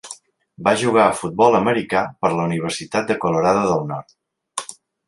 Va jugar a futbol americà per a la Universitat de Colorado del Nord.